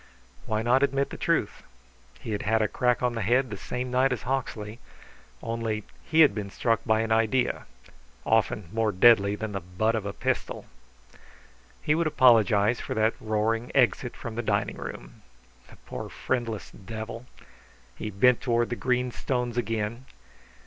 Why not admit the truth? He had had a crack on the head the same night as Hawksley; only, he had been struck by an idea, often more deadly than the butt of a pistol. He would apologize for that roaring exit from the dining room. The poor friendless devil! He bent toward the green stones again.